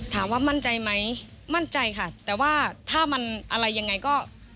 ถามว่ามั่นใจไหมมั่นใจค่ะแต่ว่าถ้ามันอะไรยังไงก็